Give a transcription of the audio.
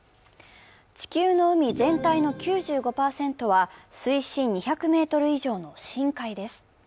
地球の海全体の９５％は水深２００ｍ以上の深海です。